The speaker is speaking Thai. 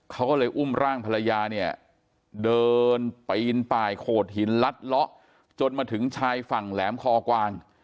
เขาก็เลยอุ้มร่างภรรยาเนี่ยเดินปีนป่ายโขดหินลัดเลาะจนมาถึงชายฝั่งแหลมคอกวาง